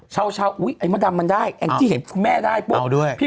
เช้าอุ๊ยไอ้มดดำมันได้แองจี้เห็นคุณแม่ได้ปุ๊บ